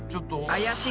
怪しい。